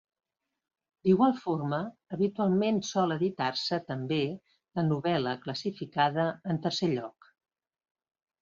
D'igual forma, habitualment sol editar-se també la novel·la classificada en tercer lloc.